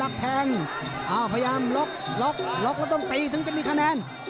พยายามล็อก็ต้องตีถึงจะมีคะแนน